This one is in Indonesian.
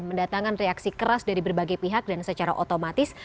mendatangkan reaksi keras dari berbagai pihak dan secara otomatis